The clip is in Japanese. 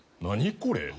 「何？